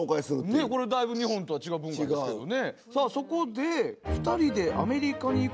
ねっこれだいぶ日本とは違う文化ですけどね。